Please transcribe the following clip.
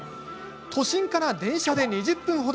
都心から電車で２０分程。